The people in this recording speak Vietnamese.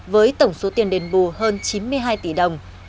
với tổng số tiền đền bù hơn chín mươi hai tỷ đồng